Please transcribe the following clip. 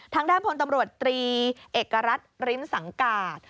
ทางด้านพลตำรวจตรีเอกรัฐริมสังกาศ